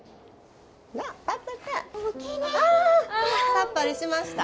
さっぱりしました？